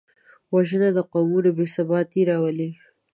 وژنه د قومونو بېثباتي راولي